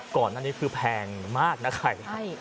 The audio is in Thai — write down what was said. ก่อนอันนี้คือแพงมากน้ะ